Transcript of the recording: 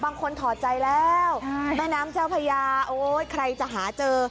ถอดใจแล้วแม่น้ำเจ้าพญาโอ้ยใครจะหาเจอ